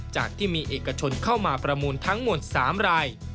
จากที่มีเอกชนเข้ามาประมูลทั้งหมด๓ราย